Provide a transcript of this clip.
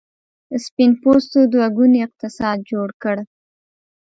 سپین پوستو دوه ګونی اقتصاد جوړ کړ.